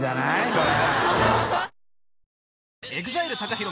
これ。